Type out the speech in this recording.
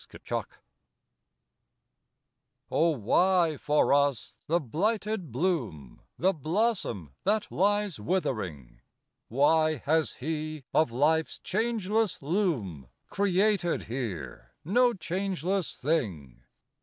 FLOWERS Oh, why for us the blighted bloom, The blossom that lies withering! Why has He, of Life's changeless loom, Created here no changeless thing?